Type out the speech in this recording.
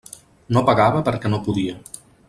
No pagava perquè no podia.